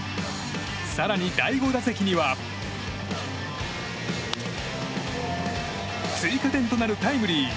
更に、第５打席には追加点となるタイムリー。